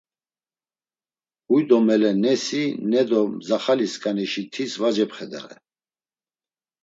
Huydo mele ne si ne do mzaxalisǩanişi tis var cepxedare.